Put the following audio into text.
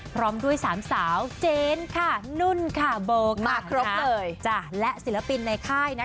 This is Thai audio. พร้อมด้วย๓สาวเจนนุ่นเบอร์และศิลปินในค่าย